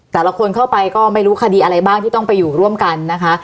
แต่ละคนเข้าไปก็ไม่รู้คดีอะไรบ้างที่ต้องไปอยู่ร่วมกันนะคะ